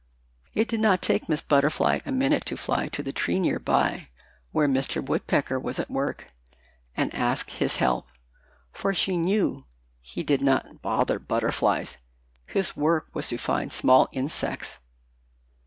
It did not take Miss Butterfly a minute to fly to the tree near by where Mr. Woodpecker was at work and ask his help, for she knew he did not bother butterflies. His work was to find small insects.